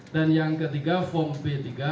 dan yang ketiga adalah form b tiga